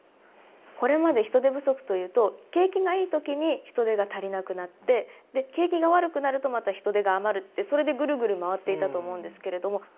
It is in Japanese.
これまで人手不足というと景気がいいときに人手が足りなくなって景気が悪くなるとまた人手が余るってそれで、ぐるぐる回っていたと思うんですけれども。